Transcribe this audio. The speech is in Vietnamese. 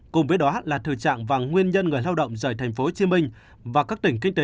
cùng với đó là thừa trạng và nguyên nhân người lao động rời tp hcm và các tỉnh kinh tế